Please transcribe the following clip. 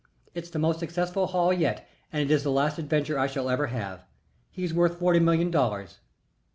It's the most successful haul yet and is the last adventure I shall ever have. He's worth forty million dollars.